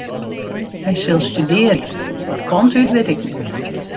Hy sil studearje, wat kant út wit ik net.